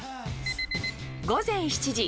午前７時。